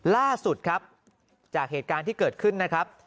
ล่าสุดครับจากเหตุการณ์ที่เกิดขึ้นนะครับ